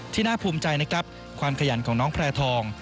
น่าภูมิใจนะครับความขยันของน้องแพร่ทอง